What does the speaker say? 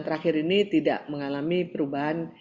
terakhir ini tidak mengalami perubahan